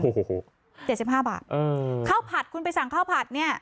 โอ้โหโหโหเจ็ดสิบห้าบาทเออข้าวผัดคุณไปสั่งข้าวผัดเนี่ย